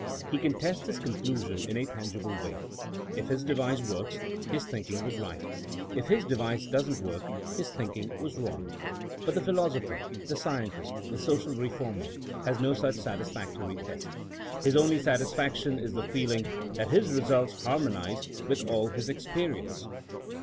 He can test his conclusion in a tangible way. If his device works, his thinking was right; if his device doesn^t work, his thinking was wrong. But the philosopher, the scientist, the social re former, has no such satisfactory test His only satisfaction is the feeling that his results harmonize with all his experience.